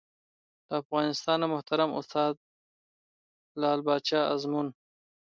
له افغانستانه محترم استاد لعل پاچا ازمون